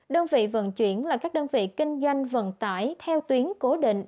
đơn vị vận chuyển là các đơn vị kinh doanh vận tải theo tuyến cố định